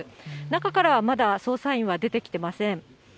中からはまだ捜査員は出てきてません。